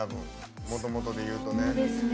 もともとでいうとね。